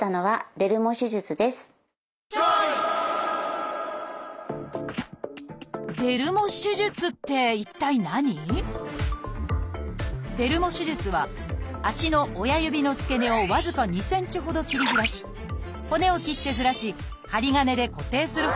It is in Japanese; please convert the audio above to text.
「デルモ手術」は足の親指の付け根を僅か２センチほど切り開き骨を切ってずらし針金で固定する方法です。